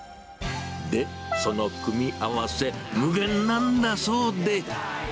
で、その組み合わせ、無限なんだそうで。